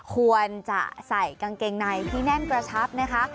ควรจะใส่กางเกงในที่แน่นกระชับนะคะ